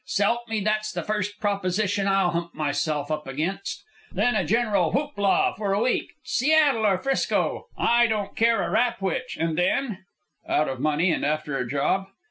S'help me, that's the first proposition I'll hump myself up against. Then a general whoop la! for a week Seattle or 'Frisco, I don't care a rap which, and then " "Out of money and after a job."